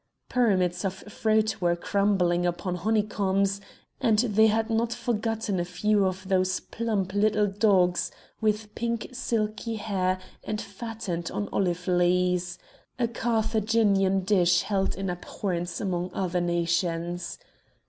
Pyramids of fruit were crumbling upon honeycombs, and they had not forgotten a few of those plump little dogs with pink silky hair and fattened on olive lees,—a Carthaginian dish held in abhorrence among other nations.